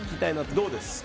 どうですか？